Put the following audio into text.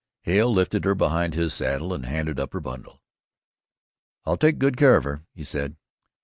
Hale lifted her behind his saddle and handed up her bundle. "I'll take good care of her," he said.